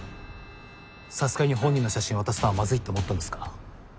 さすがに本人の写真渡すのはまずいって思ったんですか？